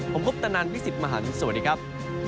ผมคบตะนานวิสิทธิ์มหาวิทยุธีสวัสดีครับ